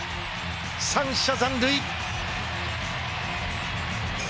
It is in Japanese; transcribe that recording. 三者残塁。